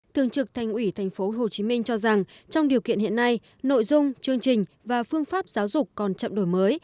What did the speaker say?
thường trực thành ủy tp hcm cho rằng trong điều kiện hiện nay nội dung chương trình và phương pháp giáo dục còn chậm đổi mới